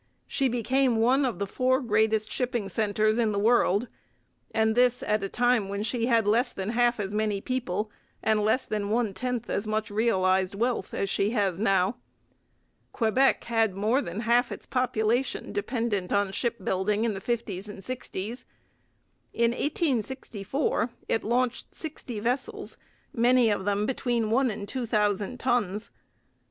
She became one of the four greatest shipping centres in the world; and this at a time when she had less than half as many people and less than one tenth as much realized wealth as she has now. Quebec had more than half its population dependent on shipbuilding in the fifties and sixties. In 1864 it launched sixty vessels, many of them between one and two thousand tons.